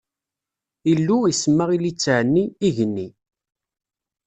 Illu isemma i litteɛ-nni: igenni.